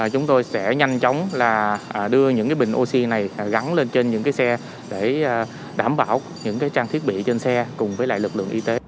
chúng tôi sẽ nhanh chóng là đưa những cái bình oxy này gắn lên trên những cái xe để đảm bảo những cái trang thiết bị trên xe cùng với lại lực lượng y tế